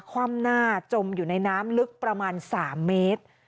คว่ำหน้าจมอยู่ในน้ำลึกประมาณ๓เมตร